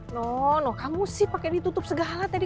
no no kamu sih pake ditutup segala tadi